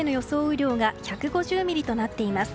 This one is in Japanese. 雨量が１５０ミリとなっています。